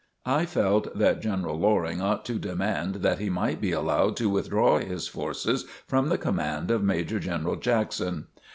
I felt that General Loring ought to demand that he might be allowed to withdraw his forces from the command of Major General Jackson.